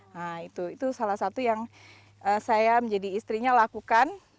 nah itu salah satu yang saya menjadi istrinya lakukan